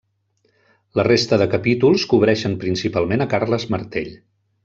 La resta de capítols cobreixen principalment a Carles Martell.